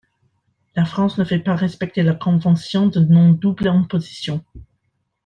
La France ne fait pas respecter la convention de non double imposition.